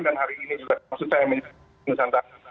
dan hari ini sudah maksud saya